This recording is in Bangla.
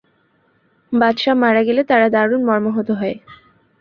বাদশাহ মারা গেলে তারা দারুণ মর্মাহত হয়।